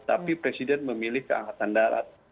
tapi presiden memilih ke angkatan darat